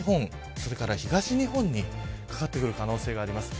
それから東日本にかかってくる可能性があります。